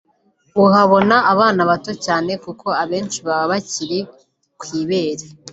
uhabona abana bato cyane kuko abenshi baba bakiri ku ibere